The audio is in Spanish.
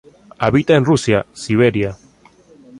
Habita en Rusia, Siberia.